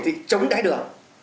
thì chống đáy đường